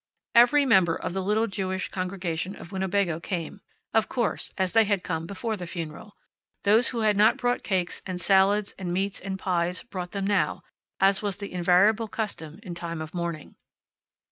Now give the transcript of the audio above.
Every member of the little Jewish congregation of Winnebago came, of course, as they had come before the funeral. Those who had not brought cakes, and salads, and meats, and pies, brought them now, as was the invariable custom in time of mourning.